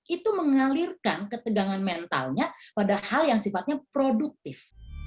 itu mengalirkan ketegangan mentalnya pada hal yang sifatnya produktif